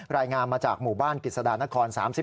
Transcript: รายงานมาจากหมู่บ้านกฤษฎานคร๓๔